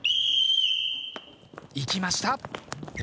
いきました。